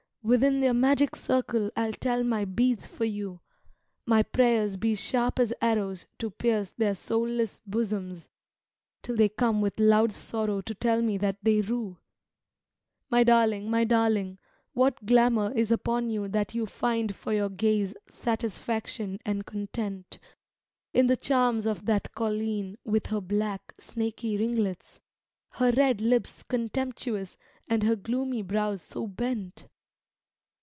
Within their magic circle I '11 tell my beads for you ; My prayers be sharp as arrows to pierce their soulless bosoms, Till they come with loud sorrow to tell mc that they rue. 79 8o THE FAIRIES My darling, my darling, what glamour is upon you That you find for your gaze satisfaction and content In the charms of that colleen, with her black, snaky ringlets. Her red lips contemptuous, and her gloomy brows so bent